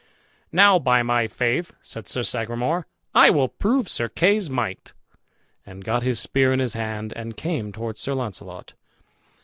"Now, by my faith," said Sir Sagramour, "I will prove Sir Kay's might;" and got his spear in his hand, and came towards Sir Launcelot.